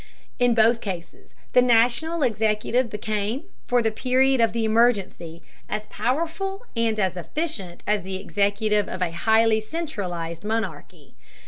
In both cases, the national executive became, for the period of the emergency, as powerful and as efficient as the executive of a highly centralized monarchy.